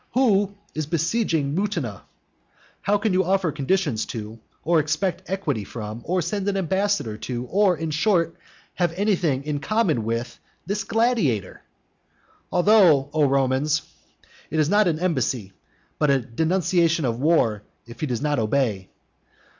who is besieging Mutina? How can you offer conditions to, or expect equity from, or send an embassy to, or, in short, have anything in common with, this gladiator? although, O Romans, it is not an embassy, but a denunciation of war if he does not obey.